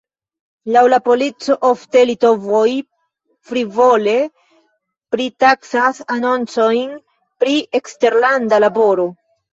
Laŭ la polico, ofte litovoj frivole pritaksas anoncojn pri eksterlanda laboro.